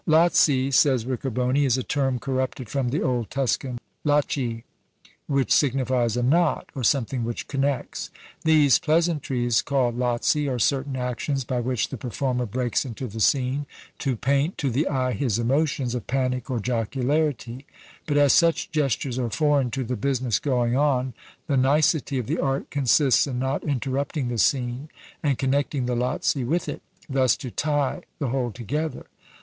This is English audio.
"Lazzi," says Riccoboni, "is a term corrupted from the old Tuscan Lacci, which signifies a knot, or something which connects. These pleasantries called Lazzi are certain actions by which the performer breaks into the scene, to paint to the eye his emotions of panic or jocularity; but as such gestures are foreign to the business going on, the nicety of the art consists in not interrupting the scene, and connecting the Lazzi with it; thus to tie the whole together."